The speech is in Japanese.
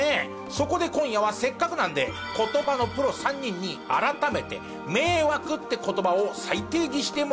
そこで今夜はせっかくなんで言葉のプロ３人に改めて「迷惑」って言葉を再定義してもらいましょう。